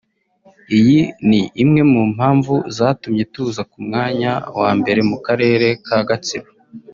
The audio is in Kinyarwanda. Iyi ni imwe mu mpamvu zatumye tuza k’umwanya wa mbere mu karere ka Gatsibo